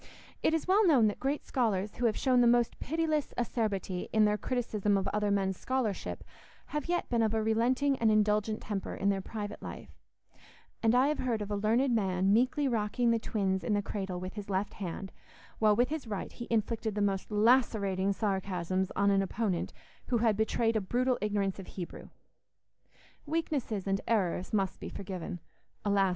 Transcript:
It is well known that great scholars who have shown the most pitiless acerbity in their criticism of other men's scholarship have yet been of a relenting and indulgent temper in private life; and I have heard of a learned man meekly rocking the twins in the cradle with his left hand, while with his right he inflicted the most lacerating sarcasms on an opponent who had betrayed a brutal ignorance of Hebrew. Weaknesses and errors must be forgiven—alas!